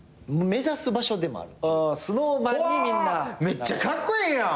めっちゃカッコエエやん！